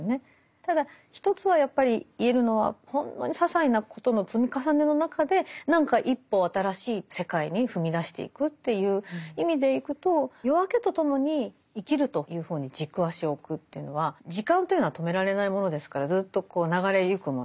ただ一つはやっぱり言えるのはほんのささいなことの積み重ねの中で何か一歩新しい世界に踏み出していくという意味でいくと夜明けとともに「生きる」というほうに軸足を置くというのは時間というのは止められないものですからずっと流れゆくもの。